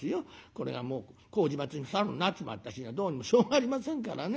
これがもう麹町のサルになっちまった日にはどうにもしょうがありませんからね。